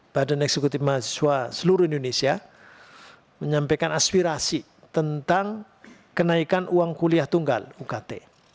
badan eksekutif mahasiswa seluruh indonesia menyampaikan aspirasi tentang kenaikan uang kuliah tunggal ukt